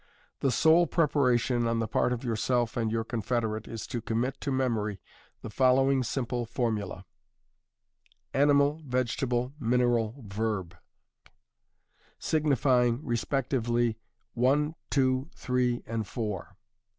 The sole preparation on the part of yourself and your confederate is to commit to memory the following simple formula animal, vegetable, mineral, verb, siguifying respectively one, two, three and four.